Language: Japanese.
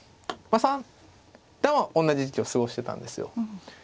三段はおんなじ時期を過ごしてたんですよ。